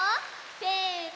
せの。